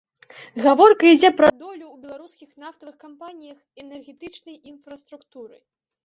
Гаворка ідзе пра долю ў беларускіх нафтавых кампаніях і энергетычнай інфраструктуры.